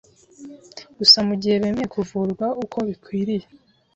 gusa mu gihe bemeye kuvurwa uko bikwiriye